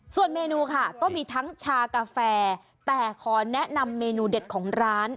ส่วนเมนูค่ะก็มีทั้งชากาแฟแต่ขอแนะนำเมนูเด็ดของร้าน